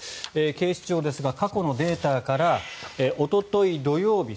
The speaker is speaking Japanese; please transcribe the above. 警視庁ですが過去のデータからおととい土曜日